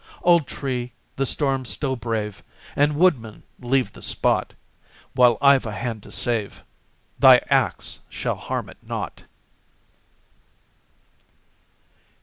Old tree! the storm still brave! And, woodman, leave the spot; While I've a hand to save, Thy ax shall harm it not!